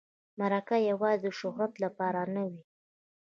مرکه یوازې د شهرت لپاره نه وي.